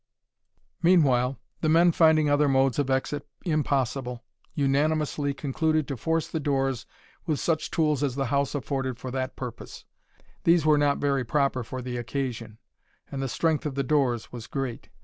Meanwhile, the men finding other modes of exit impossible, unanimously concluded to force the doors with such tools as the house afforded for the purpose. These were not very proper for the occasion, and the strength of the doors was great.